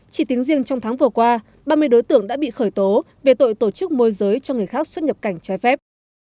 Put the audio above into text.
chỉ tính riêng trong tháng vừa qua ba mươi đối tượng đã bị khởi tố về tội tổ chức môi giới cho người khác xuất nhập cảnh trái phép